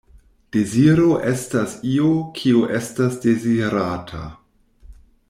Deziro estas io, kio estas dezirata.